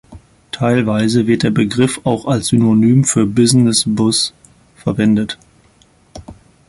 Teilweise wird der Begriff auch als Synonym für "Business Bus" verwendet.